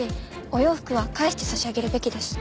お洋服は返して差し上げるべきです。